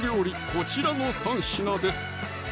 こちらの３品です